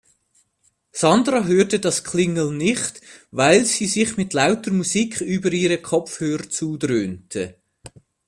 Sandra hörte das Klingeln nicht, weil sie sich mit lauter Musik über ihre Kopfhörer zudröhnte.